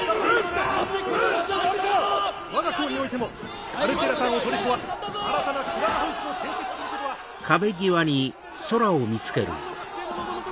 わが校においてもカルチェラタンを取り壊し新たなクラブハウスを建設することは歴史的必然であり大半の学生の。